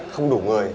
không đủ người